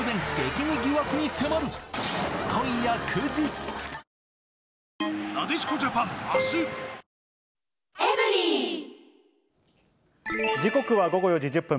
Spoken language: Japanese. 「ビオレ」時刻は午後４時１０分。